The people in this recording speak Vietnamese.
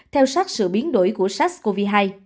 theo sát sự biến đổi của sars cov hai